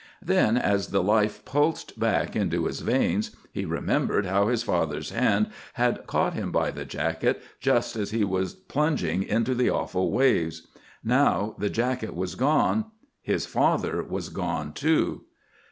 Then, as the life pulsed back into his veins, he remembered how his father's hand had caught him by the jacket just as he went plunging into the awful waves. Now, the jacket was gone. His father was gone, too.